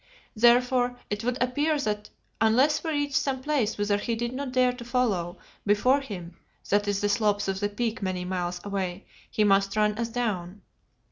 Therefore it would appear that unless we reached some place whither he did not dare to follow, before him that is the slopes of the Peak many miles away, he must run us down.